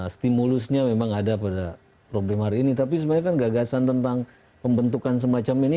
stimulusnya memang ada pada problem hari ini tapi sebenarnya kan gagasan tentang pembentukan semacam ini